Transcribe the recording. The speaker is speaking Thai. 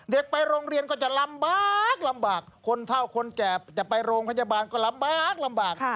เด็กไปโรงเรียนก็จะลำบากคนเท่าคนแกร์จะไปโรงพยาบาลก็ลำบาก